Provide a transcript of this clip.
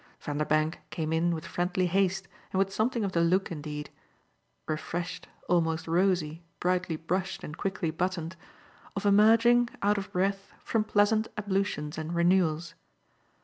Vanderbank came in with friendly haste and with something of the look indeed refreshed, almost rosy, brightly brushed and quickly buttoned of emerging, out of breath, from pleasant ablutions and renewals.